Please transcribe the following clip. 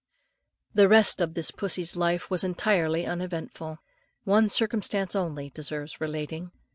The rest of this pussy's life was entirely uneventful. One circumstance only deserves relating.